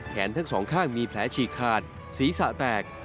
ทั้งสองข้างมีแผลฉีกขาดศีรษะแตก